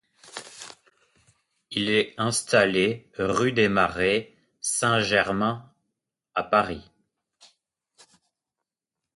Il est installé rue des Marais Saint-Germain à Paris.